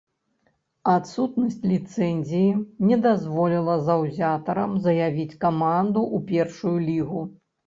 Адсутнасць ліцэнзіі не дазволіла заўзятарам заявіць каманду ў першую лігу.